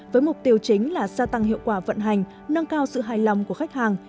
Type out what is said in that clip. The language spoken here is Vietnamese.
với mục tiêu chính là gia tăng hiệu quả vận hành nâng cao sự hài lòng của khách hàng